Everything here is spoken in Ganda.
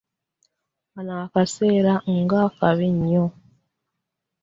Kano akaseera nga kabi nnyo.